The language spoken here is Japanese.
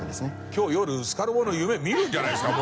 今日夜スカルボの夢見るんじゃないですか？